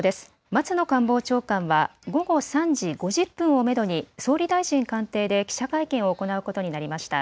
松野官房長官は午後３時５０分をめどに総理大臣官邸で記者会見を行うことになりました。